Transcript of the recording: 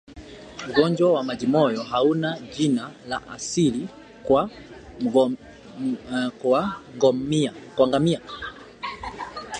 Ugonjwa wa majimoyo hauna jina la asili kwa ngamia